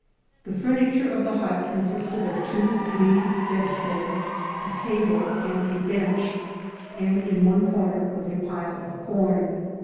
The furniture of the hut consisted of two reed bedsteads, a table, and a bench, and in one corner was a pile of corn.